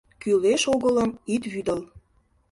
— Кӱлеш-огылым ит вӱдыл.